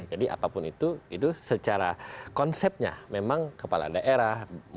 jadi apapun itu itu secara konsepnya memang kepala daerah